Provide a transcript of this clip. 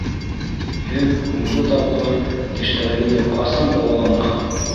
Һеҙ һуңғы тапҡыр тештәрегеҙҙе ҡасан дауаланығыҙ?